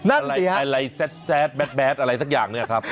อะไรแซดแดดอะไรสักอย่างเนี่ยครับ